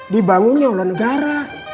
dibangunnya oleh negara